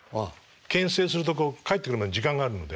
けん制すると返ってくるまで時間があるので。